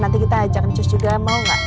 nanti kita ajak ncus juga mau gak